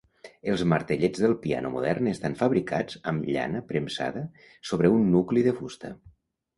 Els martellets del piano modern estan fabricats amb llana premsada sobre un nucli de fusta.